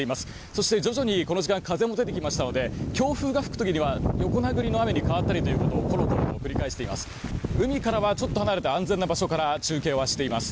そして徐々にこの時間風が出てきましたので強風が吹く時には横殴りの雨に変わったりということをコロコロと繰り返しています。